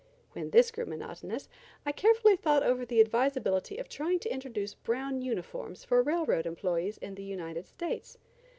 When this grew monotonous I carefully thought over the advisability of trying to introduce brown uniforms for railroad employees in the United States.